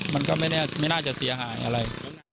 มันก็ไม่น่าจะเสียหายอะไร